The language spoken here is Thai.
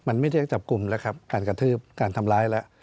มันไม่ใช่จับกลุ่มแล้วครับการกระทืบการทำร้ายแล้ว